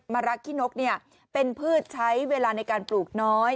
รักขี้นกเป็นพืชใช้เวลาในการปลูกน้อย